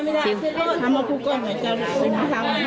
ตอนนี้ก็ไม่มีเวลาให้กลับมาเที่ยวกับเวลา